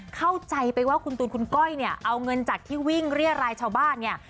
เข้าใจไปว่าคุณตูนคุณก้อยเนี่ยเอาเงินจากที่วิ่งเรียรายชาวบ้านเนี่ย